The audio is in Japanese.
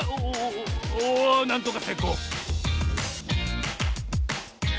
おおなんとかせいこう！